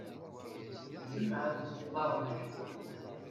Jmeε-d iḍarren-ik!